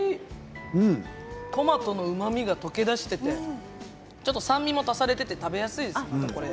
トマトのうまみが溶け出していてちょっと酸味も足されていて食べやすいです。